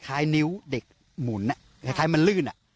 ท้ายนิ้วเด็กหมุนคล้ายมันลื่น